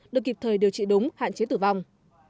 được kịp thời điều trị đúng hạn chế tử vong